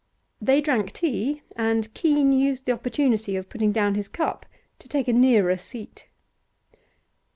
They drank tea, and Keene used the opportunity of putting down his cup to take a nearer seat.